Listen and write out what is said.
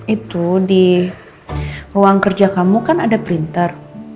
itu di ruang kerja kamu kan ada printer